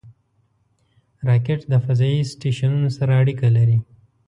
راکټ د فضایي سټیشنونو سره اړیکه لري